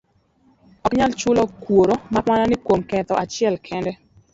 Ok anyal chulo kuor, mak mana kuom ketho achiel kende.